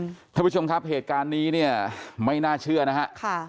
ท่านผู้ชมครับเหตุการณ์นี้เนี่ยไม่น่าเชื่อนะฮะค่ะ